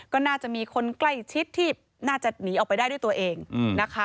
ก็น่าจะมีคนใกล้ชิดที่น่าจะหนีออกไปได้ด้วยตัวเองนะคะ